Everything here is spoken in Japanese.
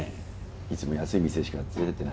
いつも安い店しか連れてってないのに。